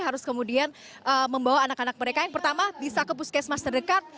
harus kemudian membawa anak anak mereka yang pertama bisa ke puskesmas terdekat